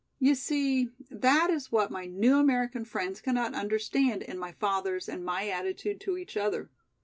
You see that is what my new American friends cannot understand in my father's and my attitude to each other.